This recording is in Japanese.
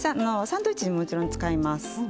サンドイッチにももちろん使います。